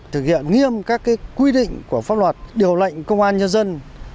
thực hiện nghiêm các quy định của pháp luật điều lệnh công an nhân dân